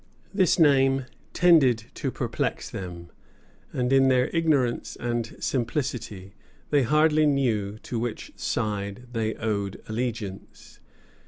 This name tended to perplex them, and in their ignorance and simplicity they hardly knew to which side they owed allegiance.